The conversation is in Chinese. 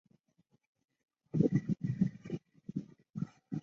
另外今上天皇明仁与皇后美智子当年。